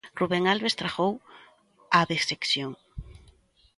Rubén Albés tragou a decepción.